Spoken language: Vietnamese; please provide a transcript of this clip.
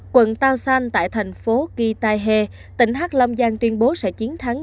quận taosan tại thành phố kitaihe tỉnh hạc long giang tuyên bố sẽ chiến thắng